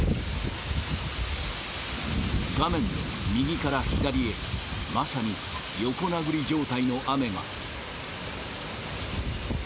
画面の右から左へ、まさに横殴り状態の雨が。